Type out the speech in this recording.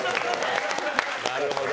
なるほど。